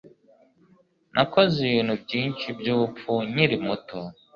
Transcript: Nakoze ibintu byinshi byubupfu nkiri muto.